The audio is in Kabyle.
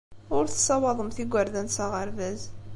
Ur tessawaḍemt igerdan s aɣerbaz.